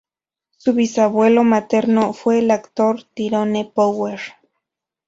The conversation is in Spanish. Su bisabuelo materno fue el actor Tyrone Power.